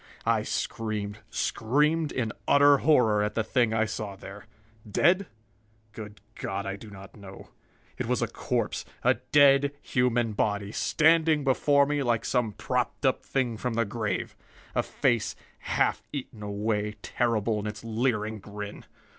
I screamed, screamed in utter horror at the thing I saw there. Dead? Good God, I do not know. It was a corpse, a dead human body, standing before me like some propped up thing from the grave. A face half eaten away, terrible in its leering grin.